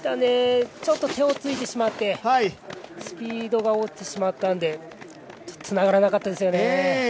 ちょっと手をついてしまって、スピードが落ちてしまったので、つながらなかったですよね。